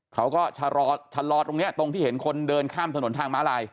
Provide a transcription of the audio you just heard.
เขาก็ชะลอชะลอตรงนี้ตรงที่เห็นคนเดินข้ามถนนทางม้าลาย